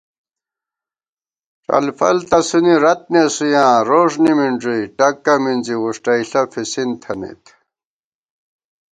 ڄلفل تسُونی رت نېسُویاں روݭ نِمِنݮُوئ ٹکّہ مِنزی، وُݭٹَئیݪہ فِسِن تھنَئیت